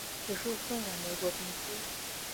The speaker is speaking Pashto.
پیشو څنګه موږک نیسي؟